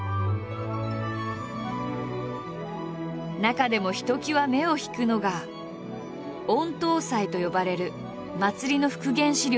中でもひときわ目を引くのが「御頭祭」と呼ばれる祭りの復元史料だ。